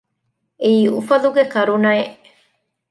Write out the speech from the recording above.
އެއީ އުފަލުގެ ކަރުނަ އެއް